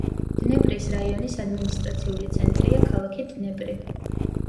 დნეპრის რაიონის ადმინისტრაციული ცენტრია ქალაქი დნეპრი.